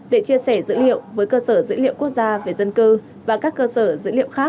để chia sẻ dữ liệu với cơ sở dữ liệu quốc gia về dân cư và các cơ sở dữ liệu khác